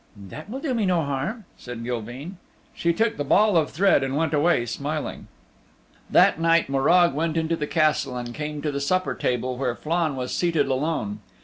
"That will do me no harm," said Gilveen. She took the ball of thread and went away smiling. That night Morag went into the Castle and came to the supper table where Flann was seated alone.